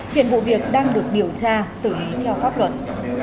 hiện vụ việc đang được điều tra xử lý theo pháp luật